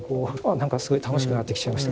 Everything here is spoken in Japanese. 何かすごい楽しくなってきちゃいました。